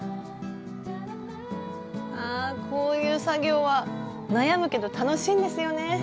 ああこういう作業は悩むけど楽しいんですよね。